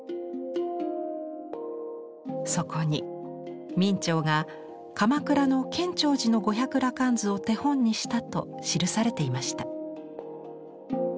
そこに明兆が鎌倉の建長寺の「五百羅漢図」を手本にしたと記されていました。